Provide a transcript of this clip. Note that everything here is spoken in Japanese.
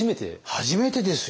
初めてですよ。